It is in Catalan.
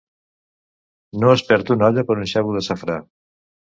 No es perd una olla per un xavo de safrà.